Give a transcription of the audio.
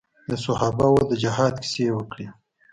د صحابه وو د جهاد کيسې يې وکړې.